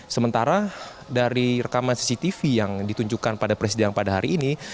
sementara dari rekaman cctv yang ditunjukkan pada persidangan pada hari ini